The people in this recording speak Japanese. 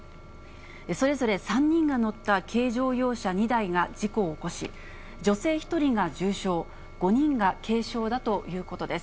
それぞれ３人が乗った軽乗用車２台が事故を起こし、女性１人が重傷、５人が軽傷だということです。